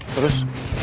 lagi s sedikit ya